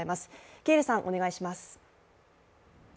喜入さん、お願いします。